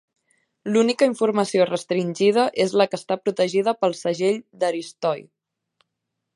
L'única informació restringida és la que està protegida pel "Segell d'Aristoi".